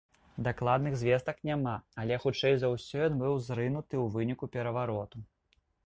Дакладных звестак няма, але хутчэй за ўсё ён быў зрынуты ў выніку перавароту.